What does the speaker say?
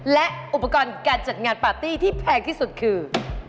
และอุปกรณ์การจัดงานปาร์ตี้ที่แพงที่สุดคือ